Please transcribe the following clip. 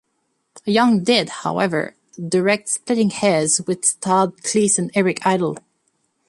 Young did, however, direct "Splitting Heirs", which starred Cleese and Eric Idle.